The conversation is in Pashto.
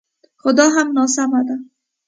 خو دا هم ناسمه ده